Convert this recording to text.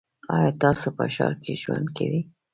ایا تاسو په ښار کې ژوند کوی؟